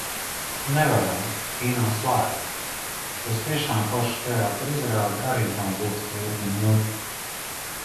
Nevaram, kino slēgts. Uz tiešām foršu teātra izrādi arī nav būts krietni ilgi.